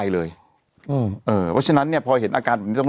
มีสารตั้งต้นเนี่ยคือยาเคเนี่ยใช่ไหมคะ